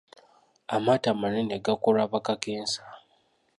Amaato amanene gaakolwa ba kakensa.